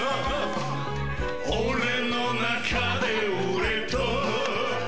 俺の中で俺と